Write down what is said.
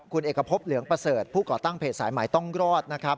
คุณเอกพบเหลืองประเสริฐผู้ก่อตั้งเพจสายใหม่ต้องรอดนะครับ